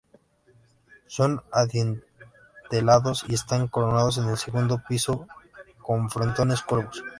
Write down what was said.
Son adintelados y están coronados, en el segundo piso, con frontones curvos.